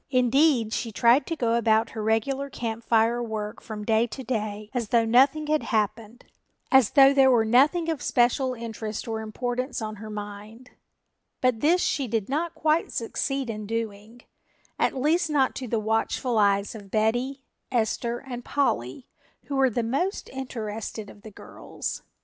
Indeed, she tried to go about her regular Camp Fire work from day to day as though nothing had happened, as though there were nothing of special interest or importance on her mind, but this she did not quite succeed in doing, at least not to the watchful eyes of Betty, Esther and Polly, who were the most interested of the girls.